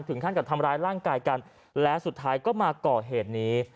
ท่านกับทำร้ายร่างกายกันและสุดท้ายก็มาก่อเหตุนี้